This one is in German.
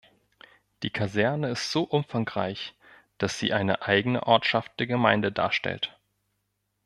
Die Kaserne ist so umfangreich, dass sie eine eigene Ortschaft der Gemeinde darstellt.